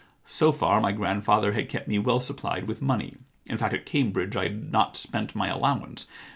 So far, my grandfather had kept me well supplied with money ; in fact, at Cambridge I had not spent my allowance.